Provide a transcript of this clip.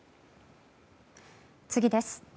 次です。